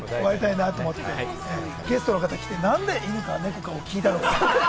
ゲストの方が来て、なんで犬か猫が聞いたのか。